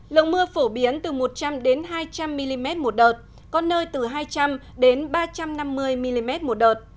lồng mưa phổ biến từ một trăm linh đến hai trăm linh mm một đợt có nơi từ hai trăm linh đến ba trăm năm mươi mm một đợt